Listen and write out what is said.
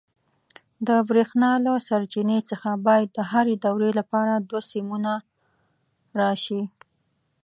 د برېښنا له سرچینې څخه باید د هرې دورې لپاره دوه سیمونه راشي.